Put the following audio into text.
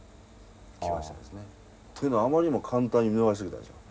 というのはあまりにも簡単に見逃してきたでしょ。